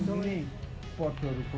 kamu sudah tahu